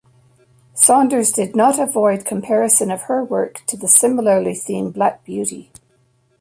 Saunders did not avoid comparison of her work to the similarly themed Black Beauty.